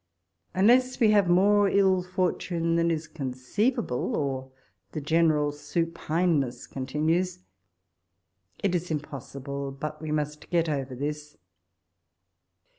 Unless we have more ill fortune than is conceivable, or the general supineness con tinues, it is impossible but we must get over this.